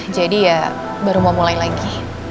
jadi ya baru mau mulai lagi